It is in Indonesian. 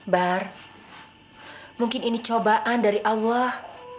bar mungkin ini cobaan dari allah